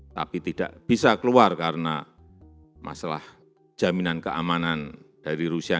tapi tidak bisa keluar karena masalah jaminan keamanan dari rusia